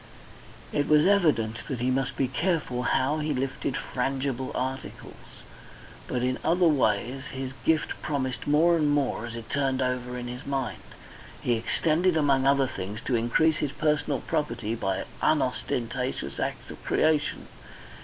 It was evident he must be careful how he lifted frangible articles, but in other ways his gift promised more and more as he turned it over in his mind. He intended among other things to increase his personal property by unostentatious acts of creation.